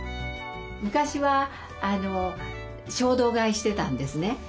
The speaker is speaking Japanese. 昔は衝動買いしてたんですね。